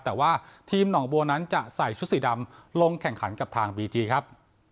แต่ว่าทีมหนองบัวนั้นจะใส่ชุดสีดำลงแข่งขันกับทางบีจีครับ